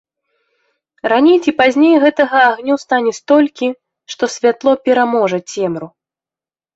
Раней ці пазней гэтага агню стане столькі, што святло пераможа цемру.